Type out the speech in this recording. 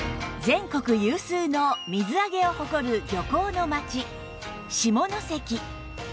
全国有数の水揚げを誇る漁港の町下関